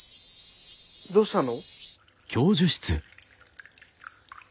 どうしたの？